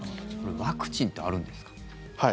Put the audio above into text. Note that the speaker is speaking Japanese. ワクチンってあるんですか。